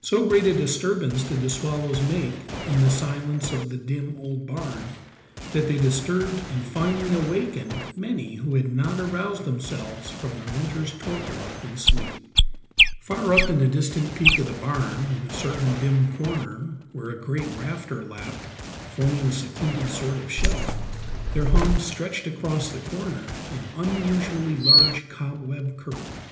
So great a disturbance did the swallows make in the silence of the dim, old barn that they disturbed and finally awakened many who had not aroused themselves from their winter's torpor and sleep. Far up in a distant peak of the barn, in a certain dim corner, where a great rafter lapped, forming a secluded sort of shelf, there hung, stretched across the corner, an unusually large cobweb curtain.